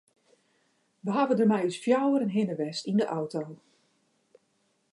We hawwe dêr mei ús fjouweren hinne west yn de auto.